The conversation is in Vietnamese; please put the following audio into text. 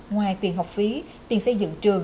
ngoài tiền học phí tiền xây dựng trường